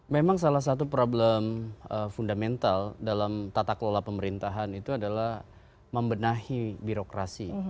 memang salah satu problem fundamental dalam tata kelola pemerintahan itu adalah membenahi birokrasi